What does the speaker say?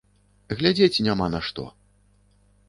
Глядзець няма на што.